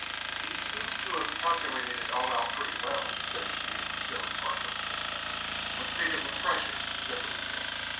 " He seems to have calculated it all out pretty well," said Steevens, still impartial. " But think of the pressure," said the lieutenant.